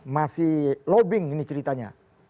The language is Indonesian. masih lobbying ini ceritanya